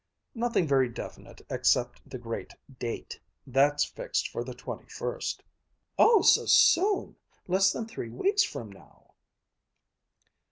"Nothing very definite except the great Date. That's fixed for the twenty first." "Oh, so soon ... less than three weeks from now!"